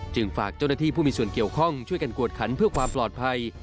ฝากเจ้าหน้าที่ผู้มีส่วนเกี่ยวข้องช่วยกันกวดขันเพื่อความปลอดภัย